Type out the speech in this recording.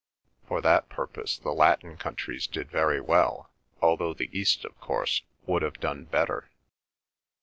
For that purpose the Latin countries did very well, although the East, of course, would have done better.